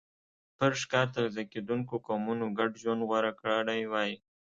پر ښکار تغذیه کېدونکو قومونو ګډ ژوند غوره کړی وای.